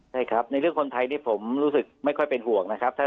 ใช่ครับในเรื่องคนไทยนี่ผมรู้สึกไม่ค่อยเป็นห่วงนะครับ